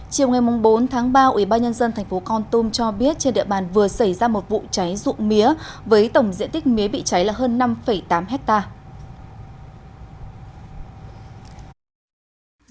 chiều ngày bốn tháng ba ủy ban nhân dân tp con tôm cho biết trên địa bàn vừa xảy ra một vụ cháy rụng mía với tổng diện tích mía bị cháy là hơn năm tám hectare